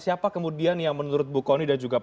siapa kemudian yang menurut bukoni dan juga